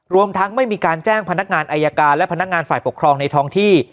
รวมทั้งไม่มีการแจ้งพนักงานอายการและพนักงานฝ่ายปกครองในท้องที่